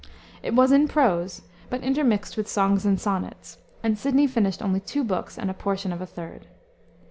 It was in prose, but intermixed with songs and sonnets, and Sidney finished only two books and a portion of a third.